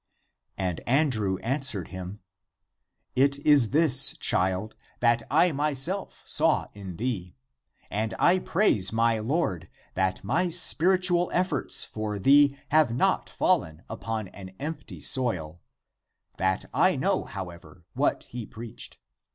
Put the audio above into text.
And Andrew answered him, " It is this, child, that I myself saw in thee. And I praise my Lord that my spiritual efforts for thee have not fallen upon an empty soil ; that I know, however, what he preached.